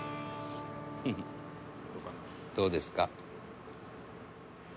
「どうですか？」